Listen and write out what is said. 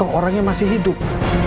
atau orangnya masih hidup